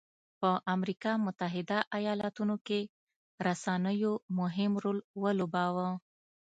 په امریکا متحده ایالتونو کې رسنیو مهم رول ولوباوه.